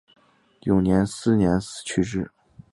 永元四年去世。